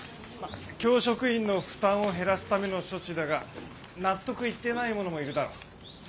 教職員の負担を減らすための処置だが納得いってない者もいるだろう。